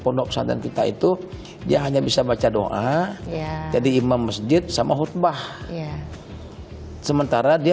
pondok pesantren kita itu dia hanya bisa baca doa jadi imam masjid sama khutbah sementara dia